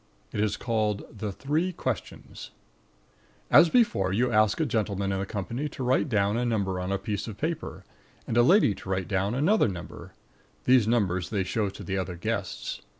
It is called THE THREE QUESTIONS As before, you ask a gentleman in the company to write down a number on a piece of paper, and a lady to write down another number. These numbers they show to the other guests.